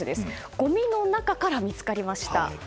ごみの中から見つかりました。